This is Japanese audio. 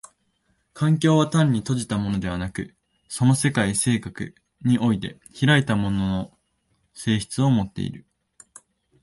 環境は単に閉じたものでなく、その世界性格において開いたものの性質をもっている。